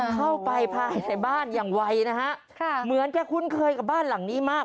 เข้าไปภายในบ้านอย่างไวนะฮะค่ะเหมือนแกคุ้นเคยกับบ้านหลังนี้มาก